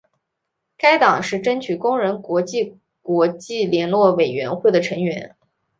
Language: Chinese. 该党是争取工人国际国际联络委员会的成员。